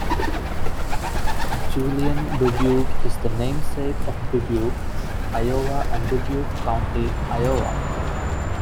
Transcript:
Julien Dubuque is the namesake of Dubuque, Iowa and Dubuque County, Iowa.